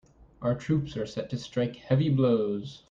Our troops are set to strike heavy blows.